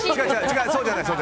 そうじゃない！